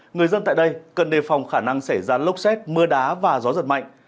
người dân tại đây cần đề phòng khả năng xảy ra lốc xét mưa đá và gió giật mạnh